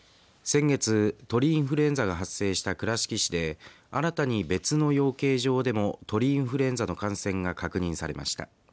先月、鳥インフルエンザが発生した倉敷市で新たに別の養鶏場でも鳥インフルエンザの感染が確認されました。